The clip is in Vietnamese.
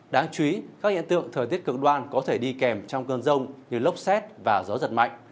đáng chú ý các hiện tượng thời tiết cực đoan có thể đi kèm trong cơn rông như lốc xét và gió giật mạnh